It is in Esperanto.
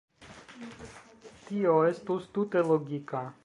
Tio estus tute logika.